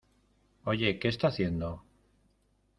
¿ Oye, qué está haciendo?